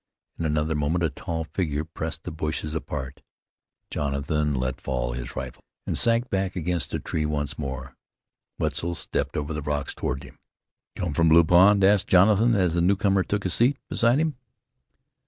In another moment a tall figure pressed the bushes apart. Jonathan let fall his rifle, and sank back against the tree once more. Wetzel stepped over the rocks toward him. "Come from Blue Pond?" asked Jonathan as the newcomer took a seat beside him.